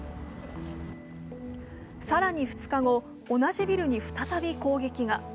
更に２日後、同じビルに再び攻撃が。